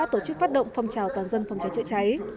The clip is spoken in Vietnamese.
tổ chức phát động phong trào toàn dân phòng cháy chữa cháy